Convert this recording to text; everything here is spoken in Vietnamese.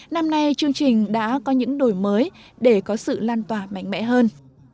năm nay chương trình đã có những đổi mới để có sự lan tỏa mạnh mẽ hơn